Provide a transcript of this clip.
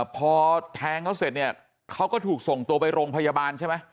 พอแทงเขาเสร็จเนี่ยเขาก็ถูกส่งตัวไปโรงพยาบาลใช่ไหม